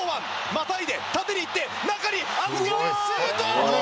またいで縦にいって中に預けてシュート！